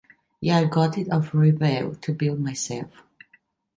Yeah, I got it of Revell, to build myself.